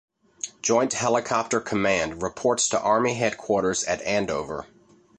Joint Helicopter Command reports to Army Headquarters at Andover.